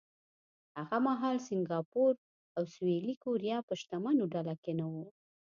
هغه مهال سینګاپور او سویلي کوریا په شتمنو ډله کې نه وو.